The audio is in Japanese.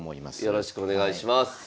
よろしくお願いします。